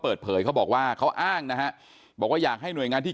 เปิดเผยเขาบอกว่าเขาอ้างนะฮะบอกว่าอยากให้หน่วยงานที่